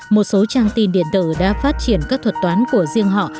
một số trang tin điện tử đã phát triển các thuật toán của riêng họ